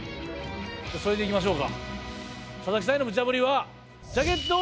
それでいきましょうか。